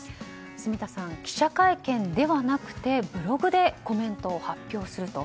住田さん、記者会見ではなくブログでコメントを発表すると。